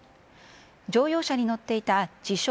乗用車に乗っていた自称